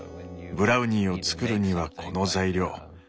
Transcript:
ブラウニーを作るにはこの材料。